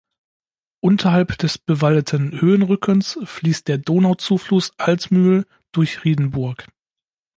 Unterhalb des bewaldeten Höhenrückens fließt der Donau-Zufluss Altmühl durch Riedenburg.